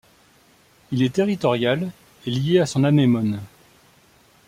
Il est territorial et lié à son anémone.